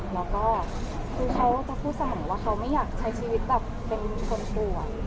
แล้วก็คือเขาจะพูดเสมอว่าเขาไม่อยากใช้ชีวิตแบบเป็นคนป่วย